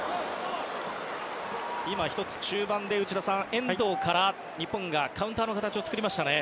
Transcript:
今１つ、中盤で内田さん日本が遠藤からカウンターの形を作りましたね。